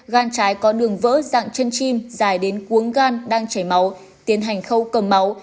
gan trái có đường vỡ dạng chân chim dài đến cuốn gan đang chảy máu tiến hành khâu cầm máu